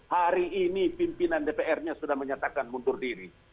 hari ini pimpinan dpr nya sudah menyatakan mundur diri